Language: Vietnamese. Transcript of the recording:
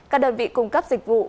các đơn vị cung cấp dịch vụ